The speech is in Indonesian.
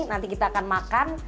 nanti kita akan makan